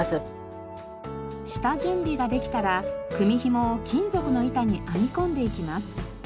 下準備ができたら組紐を金属の板に編み込んでいきます。